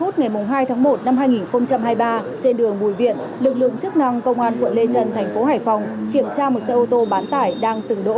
hồi một mươi tám h ba mươi ngày hai tháng một năm hai nghìn hai mươi ba trên đường bùi viện lực lượng chức năng công an quận lê trân thành phố hải phòng kiểm tra một xe ô tô bán tải đang dừng đỗ